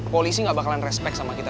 polisi gak bakalan respect sama kita